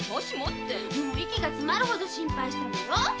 息がつまるほど心配したのよ。